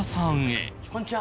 こんにちは。